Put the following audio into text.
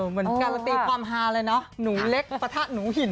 เหมือนการันตีความฮาเลยเนอะหนูเล็กปะทะหนูหิน